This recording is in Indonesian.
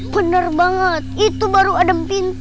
bener banget itu baru ada yang pingsan